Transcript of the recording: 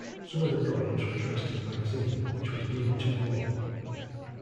Some of the problems were traced to the magazine, which was deemed too long.